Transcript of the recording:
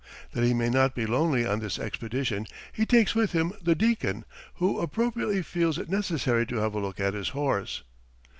That he may not be lonely on this expedition, he takes with him the deacon, who appropriately feels it necessary to have a look at his horse.